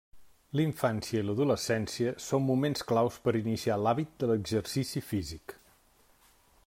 La infància i l'adolescència són moments claus per iniciar l'hàbit de l'exercici físic.